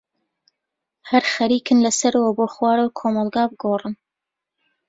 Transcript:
هەر خەرێکن لەسەرەوە بۆ خوارە کۆمەلگا بگۆرن.